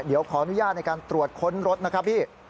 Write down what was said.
เดี๋ยวขออนุญาตในการตรวจค้นรถนะครับพี่